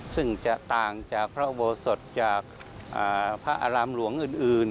ซึ่งจะต่างจากพระอุโบสถจากพระอารามหลวงอื่น